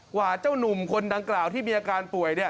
กว่าเจ้านุ่มคนดังกล่าวที่มีอาการป่วย